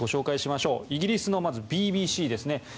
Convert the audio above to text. まずイギリスのＢＢＣですね。